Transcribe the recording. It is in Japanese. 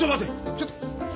ちょっと。